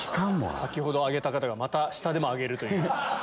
先ほど挙げた方がまた下でも挙げるという。